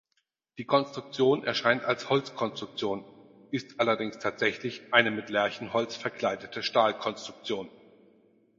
Die Konstruktion erscheint als Holzkonstruktion, ist allerdings tatsächlich eine mit Lärchenholz verkleidete Stahlkonstruktion.